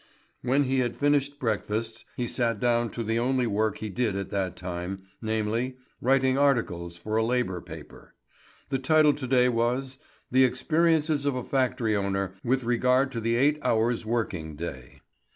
When he had finished breakfast, he sat down to the only work he did at that time, namely, writing articles for a labour paper. The title to day was "The Experiences of a Factory Owner with Regard to the Eight hours' Working Day."